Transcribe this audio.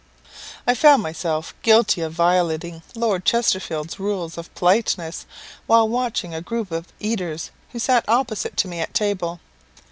I found myself guilty of violating Lord Chesterfield's rules of politeness, while watching a group of eaters who sat opposite to me at table.